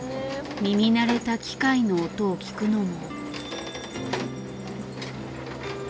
耳慣れた機械の音を聞くのも。